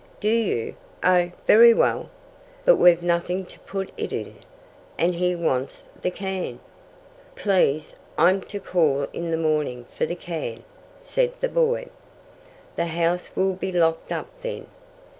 "Do you? Oh, very well. But we've nothing to put it in, and he wants the can." "Please, I'm to call in the morning for the can," said the boy. "The house will be locked up then."